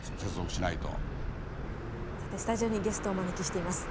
さてスタジオにゲストをお招きしています。